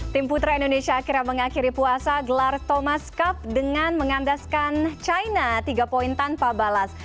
tim putra indonesia akhirnya mengakhiri puasa gelar thomas cup dengan mengandaskan china tiga poin tanpa balas